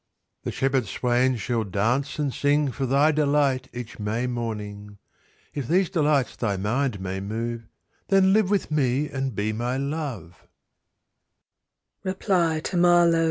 The shepherd swains shall dance and singFor thy delight each May morning:If these delights thy mind may move, Then live with me, and be my love.